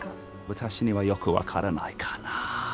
私にはよく分からないかな。